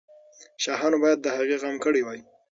شاهانو باید د هغې غم کړی وای.